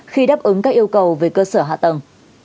khi đáp ứng các yêu cầu về cơ sở hạ tầng